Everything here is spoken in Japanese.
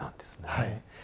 はい。